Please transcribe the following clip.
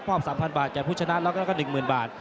ป้อม๓๐๐๐บาทแก่ผู้ชนะและก็๑๐๐๐๐บาท